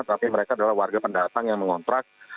tapi mereka adalah warga pendatang yang mengontrak